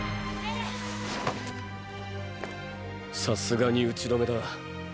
さすがに打ち止めだ。